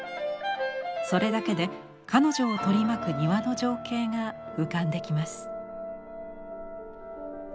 それだけで彼女を取り巻く庭の情景が浮かんできます。